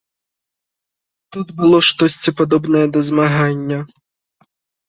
Тут было штосьці падобнае да змагання.